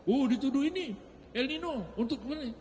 uh dituduh ini el nino untuk kembali